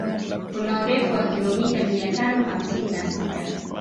Kuna urefu wa kilomita mia tano hamsini na sita